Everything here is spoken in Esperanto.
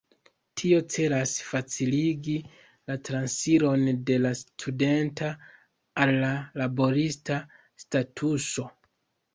Tio celas faciligi la transiron de la studenta al la laborista statuso.